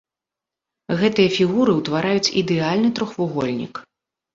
Гэтыя фігуры ўтвараюць ідэальны трохвугольнік.